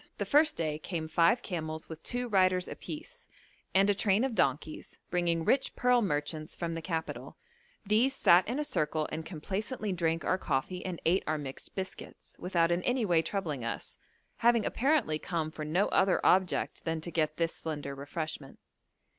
The first day came five camels with two riders apiece, and a train of donkeys, bringing rich pearl merchants from the capital; these sat in a circle and complacently drank our coffee and ate our mixed biscuits, without in any way troubling us, having apparently come for no other object than to get this slender refreshment.